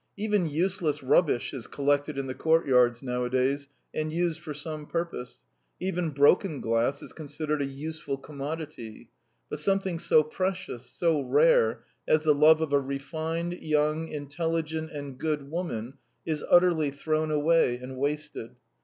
Even useless rubbish is collected in the courtyards nowadays and used for some purpose, even broken glass is considered a useful commodity, but something so precious, so rare, as the love of a refined, young, intelligent, and good woman is utterly thrown away and wasted.